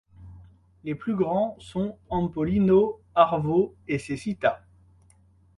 Les plus grands sont Ampollino, Arvo et Cecita.